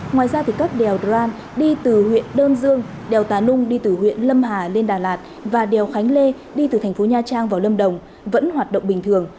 ngoài ra các đèo dran đi từ huyện đơn dương đèo tà nung đi từ huyện lâm hà lên đà lạt và đèo khánh lê đi từ thành phố nha trang vào lâm đồng vẫn hoạt động bình thường